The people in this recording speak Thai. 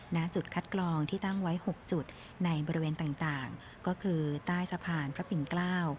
ณจุดคัดกรองที่ตั้งไว้๖จุดในบริเวณต่างก็คือใต้สะพานพระปิ่นเกล้า